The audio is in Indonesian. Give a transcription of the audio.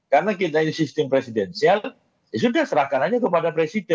karena kita ini sistem presidensial ya sudah serahkan aja kepada presiden